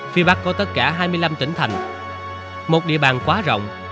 phía bắc có tất cả hai mươi năm tỉnh thành một địa bàn quá rộng